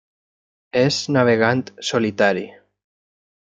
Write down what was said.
És navegant solitari.